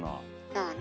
そうね。